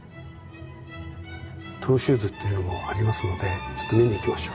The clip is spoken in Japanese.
トゥ・シューズというのもありますので見に行きましょう。